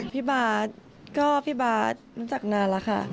พี่บาทก็พี่บาทนั้นจากนานล่ะค่ะ